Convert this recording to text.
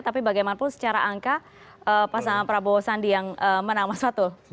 tapi bagaimanapun secara angka pasangan prabowo sandi yang menang mas fatul